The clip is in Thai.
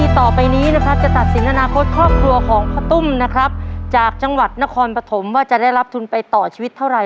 ต่อไปนี้นะครับจะตัดสินอนาคตครอบครัวของพ่อตุ้มนะครับจากจังหวัดนครปฐมว่าจะได้รับทุนไปต่อชีวิตเท่าไร